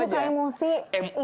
ternyata masuk ke emosi